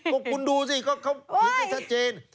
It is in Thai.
บอกคุณดูสิเขาพิษได้ชัดเจน